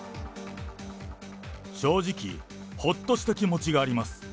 正直、ほっとした気持ちがあります。